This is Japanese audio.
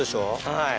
はい。